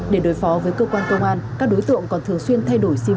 để đối phó với cơ quan công an các đối tượng còn thường xuyên thay đổi sim